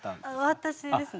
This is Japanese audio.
私ですね。